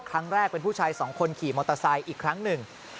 ครั้งแรกเป็นผู้ชายสองคนขี่มอเตอร์ไซค์อีกครั้งหนึ่ง